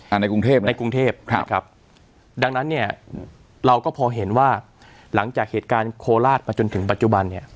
ในกรุงเทพนะในกรุงเทพครับนะครับดังนั้นเนี่ยเราก็พอเห็นว่าหลังจากเหตุการณ์โคราชมาจนถึงปัจจุบันเนี่ย